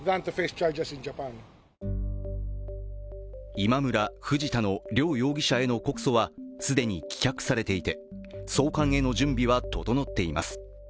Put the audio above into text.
今村、藤田の両容疑者への告訴は既に棄却されていて送還への準備は整っています。